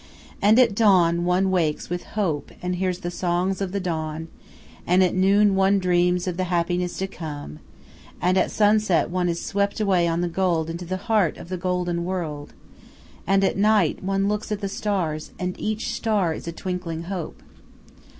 And at dawn one wakes with hope and hears the songs of the dawn; and at noon one dreams of the happiness to come; and at sunset one is swept away on the gold into the heart of the golden world; and at night one looks at the stars, and each star is a twinkling hope.